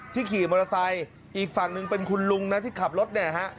ขี่มอเตอร์ไซค์อีกฝั่งหนึ่งเป็นคุณลุงนะที่ขับรถเนี่ยฮะ